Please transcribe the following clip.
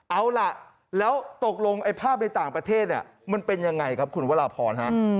เอาล่ะแล้วตกลงภาพในต่างประเทศมันเป็นอย่างไรครับคุณวราพร